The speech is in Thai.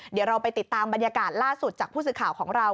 เดี๋ยวเราไปติดตามบรรยากาศล่าสุดจากผู้สื่อข่าวของเรา